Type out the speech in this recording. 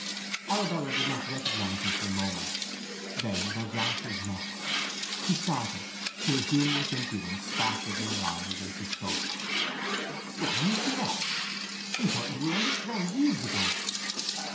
Arabella did not recognize him for a moment. Then their glances met. She started; till a humorous impudence sparkled in her eyes, and she spoke. "Well, I'm blest! I thought you were underground years ago!"